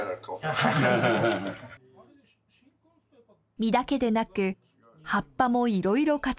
実だけでなく葉っぱもいろいろ活用できそうです。